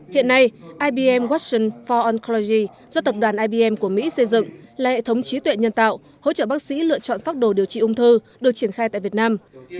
hiện nay ibm washington for oncology do tập đoàn ibm của mỹ xây dựng là hệ thống trí tuệ nhân tạo hỗ trợ bác sĩ lựa chọn pháp đồ điều trị ung thư được triển khai tại việt nam